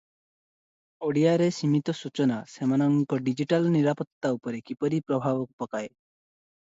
ଓଡ଼ିଆରେ ସୀମିତ ସୂଚନା ସେମାନଙ୍କ ଡିଜିଟାଲ ନିରାପତ୍ତା ଉପରେ କିପରି ପ୍ରଭାବ ପକାଏ?